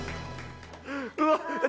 うわえっ